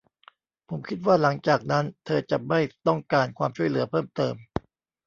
ผมคิดว่าหลังจากนั้นเธอจะไม่ต้องการความช่วยเหลือเพิ่มเติม